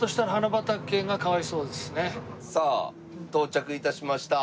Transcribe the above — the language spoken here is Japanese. さあ到着致しました。